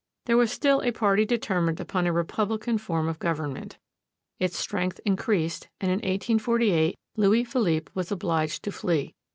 There was still a party determined upon a republican form of government. Its strength increased, and in 1848, Louis Philippe was obliged to flee.